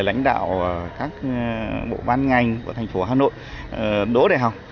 lãnh đạo các bộ ban ngành của thành phố hà nội đỗ đại học